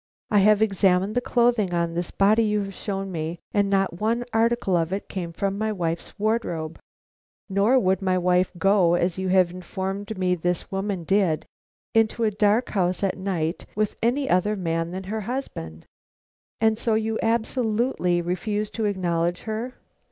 I have examined the clothing on this body you have shown me, and not one article of it came from my wife's wardrobe; nor would my wife go, as you have informed me this woman did, into a dark house at night with any other man than her husband." "And so you absolutely refuse to acknowledge her."